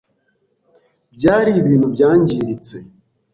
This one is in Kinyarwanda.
Byari ibintu byangiritse.